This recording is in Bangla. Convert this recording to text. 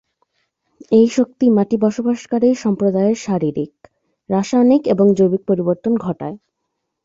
এই শক্তি মাটি বসবাসকারী সম্প্রদায়ের শারীরিক, রাসায়নিক এবং জৈবিক পরিবর্তন ঘটায়।।